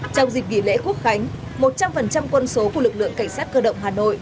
trong dịp nghỉ lễ quốc khánh một trăm linh quân số của lực lượng cảnh sát cơ động hà nội